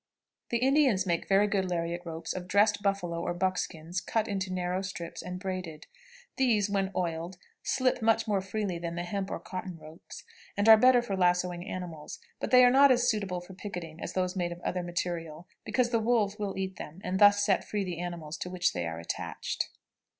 The Indians make very good lariat ropes of dressed buffalo or buck skins cut into narrow strips and braided; these, when oiled, slip much more freely than the hemp or cotton ropes, and are better for lassoing animals, but they are not as suitable for picketing as those made of other material, because the wolves will eat them, and thus set free the animals to which they are attached.